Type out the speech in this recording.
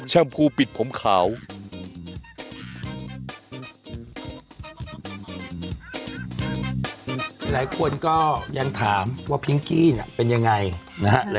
หลายคนก็ยังถามว่าพิงกี้เนี่ยเป็นยังไงนะฮะ